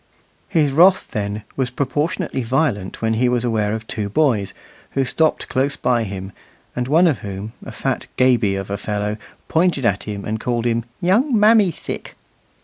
His wrath, then, was proportionately violent when he was aware of two boys, who stopped close by him, and one of whom, a fat gaby of a fellow, pointed at him and called him "Young mammy sick!"